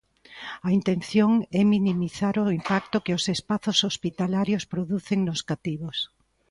A intención é minimizar o impacto que os espazos hospitalarios producen nos cativos.